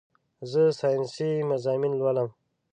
زه سائنسي مضامين لولم